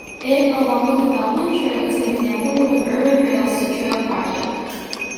It, along with the Beltline Trail, is an example of an urban rails-to-trail project.